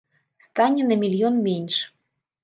Стане на мільён менш.